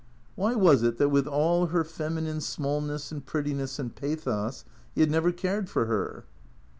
Why was it that with all her feminine smallness and prettiness and pathos he had never cared for her